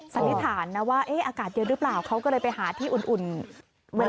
สันนิษฐานนะว่าอากาศเย็นหรือเปล่าเขาก็เลยไปหาที่อุ่น